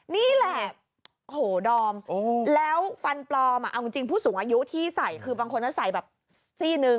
นี่แหละโหดอมแล้วฟันปลอมเอาจริงผู้สูงอายุที่ใส่คือบางคนใส่แบบซี่นึง